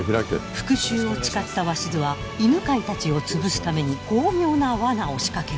復讐を誓った鷲津は犬飼たちを潰すために巧妙な罠を仕掛ける。